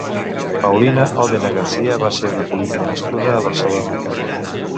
Paulina Odena García va ser una política nascuda a Barcelona.